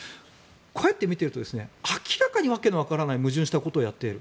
これって見ていると明らかにわけのわからない矛盾したことをやっている。